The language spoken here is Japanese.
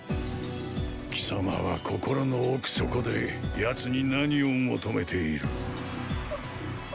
貴様は心の奥底で奴に何を求めている。